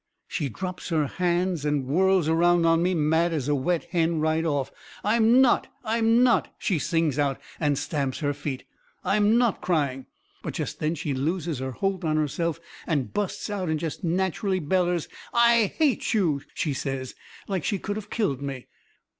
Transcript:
She drops her hands and whirls around on me, mad as a wet hen right off. "I'm not! I'm not!" she sings out, and stamps her feet. "I'm not crying!" But jest then she loses her holt on herself and busts out and jest natcherally bellers. "I hate you!" she says, like she could of killed me.